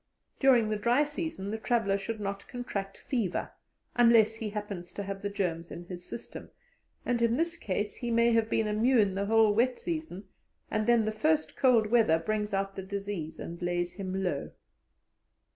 During the dry season the traveller should not contract fever, unless he happens to have the germs in his system, and in this case he may have been immune the whole wet season, and then the first cold weather brings out the disease and lays him low.